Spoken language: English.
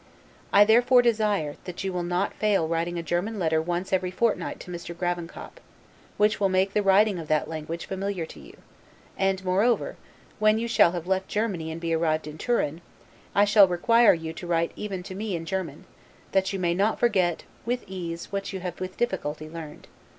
I therefore desire, that you will not fail writing a German letter once every fortnight to Mr. Gravenkop; which will make the writing of that language familiar to you; and moreover, when you shall have left Germany and be arrived at Turin, I shall require you to write even to me in German; that you may not forget with ease what you have with difficulty learned.